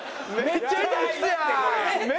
めっちゃ。